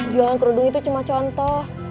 jualan kerudung itu cuma contoh